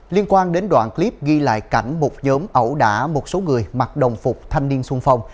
liên quan đến đoạn clip ghi lại cảnh một nhóm ẩu đả một số người mặc đồng phục thanh niên sung phong